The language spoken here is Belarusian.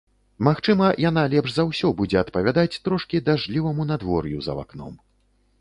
Магчыма, яна лепш за ўсё будзе адпавядаць трошкі дажджліваму надвор'ю за вакном.